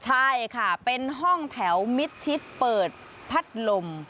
ใช่ค่ะเป็นห้องแถวมิดชิดเปิดพัดลม